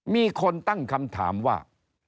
มีคนตั้งคำถามว่า